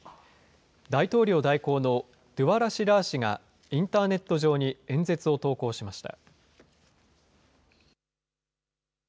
大統領代行のドゥワ・ラシ・ラー氏がインターネット上に演説を投稿しました。